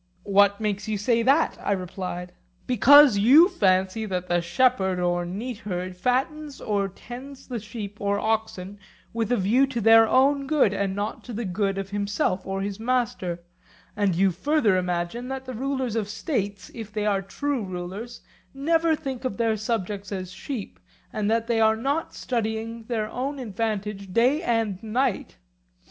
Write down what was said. What makes you say that? I replied. Because you fancy that the shepherd or neatherd fattens or tends the sheep or oxen with a view to their own good and not to the good of himself or his master; and you further imagine that the rulers of states, if they are true rulers, never think of their subjects as sheep, and that they are not studying their own advantage day and night.